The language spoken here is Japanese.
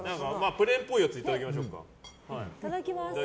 プレーンっぽいやついただきましょうか。